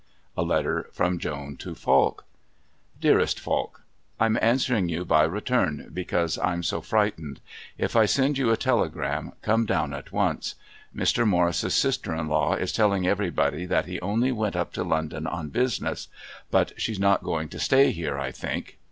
A letter from Joan to Falk. DEAREST FALK I'm answering you by return because I'm so frightened. If I send you a telegram, come down at once. Mr. Morris's sister in law is telling everybody that he only went up to London on business. But she's not going to stay here, I think.